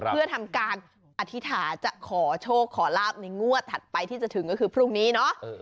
เพื่อทำการอธิษฐานจะขอโชคขอลาบในงวดถัดไปที่จะถึงก็คือพรุ่งนี้เนาะ